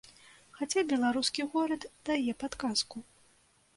Хаця беларускі горад дае падказку.